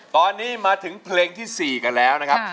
ตอนนี้มาถึงเพลงที่๔กันแล้วนะครับ